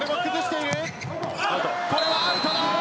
これはアウトだ。